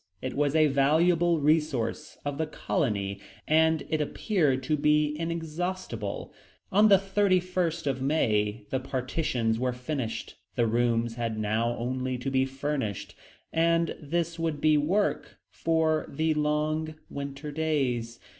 It was a valuable resource of the colony, and it appeared to be inexhaustible. On the 31st of May the partitions were finished. The rooms had now only to be furnished, and this would be work for the long winter days.